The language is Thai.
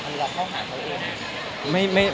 หรือเราเข้าหาเขาเอง